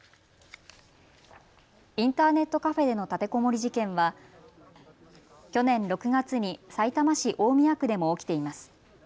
インターネットカフェでの立てこもり事件は去年６月にさいたま市大宮区でも起きています。